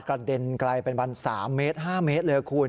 เด็นไกลเป็นวัน๓เมตร๕เมตรเลยคุณ